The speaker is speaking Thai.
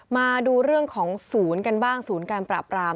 มาดูเรื่องของศูนย์กันบ้างศูนย์การปราบราม